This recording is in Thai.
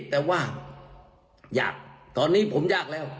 แต่ว่ายากตอนนี้ผมยากแล้ว